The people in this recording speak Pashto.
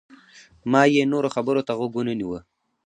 ما یې نورو خبرو ته غوږ ونه نیوه.